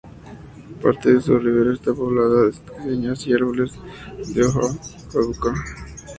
Parte de su ribera está poblada de cañas y árboles de hoja caduca.